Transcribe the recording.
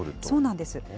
そうなんです。